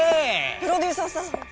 プロデューサーさん。